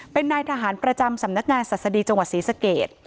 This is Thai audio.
เป็นนายทหารประจำสำนักงานศัษฎีจังหวัดศรีสเกต